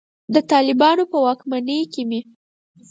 د طالبانو په واکمنۍ کې مې.